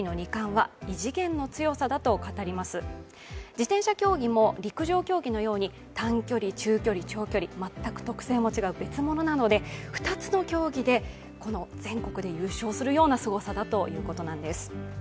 自転車競技も陸上競技のように短距離、中距離、長距離、全く特性の違う別物なので２つの競技で全国で優勝するようなすごさだということです。